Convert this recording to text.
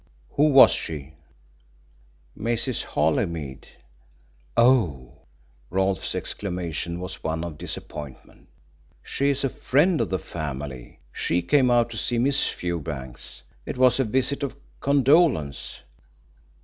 "Who was she?" "Mrs. Holymead." "Oh!" Rolfe's exclamation was one of disappointment. "She is a friend of the family. She came out to see Miss Fewbanks it was a visit of condolence."